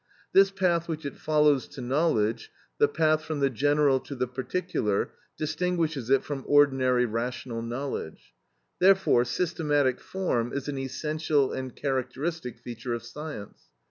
This path which it follows to knowledge, the path from the general to the particular, distinguishes it from ordinary rational knowledge; therefore, systematic form is an essential and characteristic feature of science.